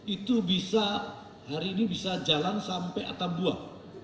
itu bisa hari ini bisa jalan sampai atambuak